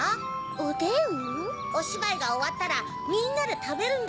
おしばいがおわったらみんなでたべるんだ。